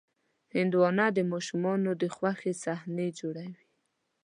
هندوانه د ماشومانو د خوښې صحنې جوړوي.